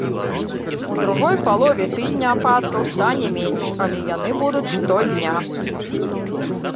У другой палове тыдня ападкаў стане менш, але яны будуць штодня.